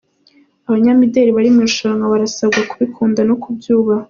Abanyamideri bari mu irushanwa barasabwa kubikunda no kubyubaha